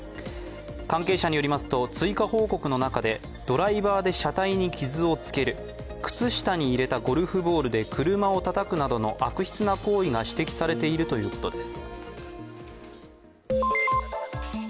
関係者によりますと追加報告の中でドライバーで車体に傷をつける、靴下に入れたゴルフボールで車をたたくなどの悪質な行為が指摘されているということです。